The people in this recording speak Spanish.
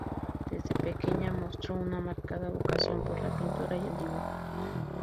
Desde pequeña mostró una marcada vocación por la pintura y el dibujo.